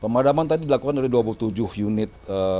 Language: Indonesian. pemadaman tadi dilakukan dari dua puluh tujuh unit